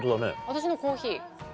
私のコーヒー。